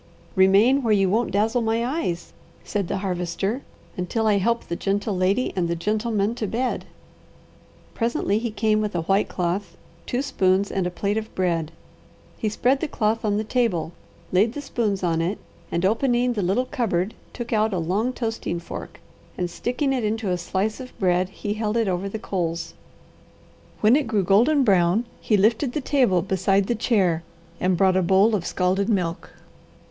"Remain where you won't dazzle my eyes," said the Harvester, "until I help the gentle lady and the gentle man to bed." Presently he came with a white cloth, two spoons, and a plate of bread. He spread the cloth on the table, laid the spoons on it, and opening the little cupboard, took out a long toasting fork, and sticking it into a slice of bread, he held it over the coals. When it grew golden brown he lifted the table beside the chair, and brought a bowl of scalded milk.